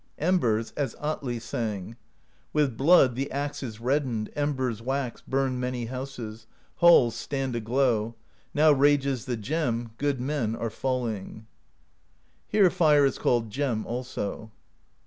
Embers, as Atli sang: With blood the axe is reddened, Embers wax, burn many houses. Halls stand aglow; now rages The Gem; good men are falling. Here fire is called Gem also.